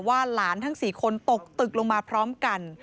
หลานทั้ง๔คนตกตึกลงมาพร้อมกัน